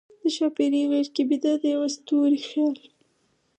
د ښاپیرۍ غیږ کې بیده، د یوه ستوری خیال